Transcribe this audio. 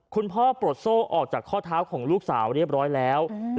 ปลดโซ่ออกจากข้อเท้าของลูกสาวเรียบร้อยแล้ว